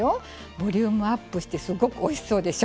ボリュームアップしてすごくおいしそうでしょ！